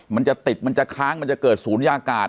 มันจะติดมันจะค้างมันจะเกิดศูนยากาศ